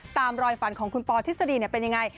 ตามรอยฝันของคุณปอทฤษฎีเป็นยังไง